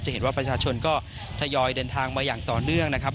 เห็นว่าประชาชนก็ทยอยเดินทางมาอย่างต่อเนื่องนะครับ